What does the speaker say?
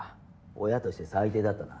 親として最低だったな。